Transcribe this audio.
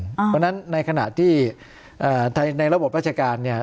เพราะฉะนั้นในขณะที่ในระบบราชการเนี่ย